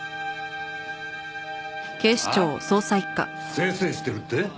清々してるって？